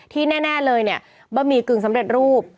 ที่แน่เลยเนี่ยบะหมี่กึ่งสำเร็จรูป